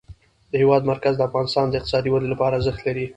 د هېواد مرکز د افغانستان د اقتصادي ودې لپاره ارزښت لري.